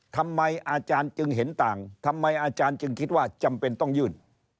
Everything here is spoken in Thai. ทำไมอาจารย์จึงเห็นต่างทำไมอาจารย์จึงคิดว่าจำเป็นต้องยื่น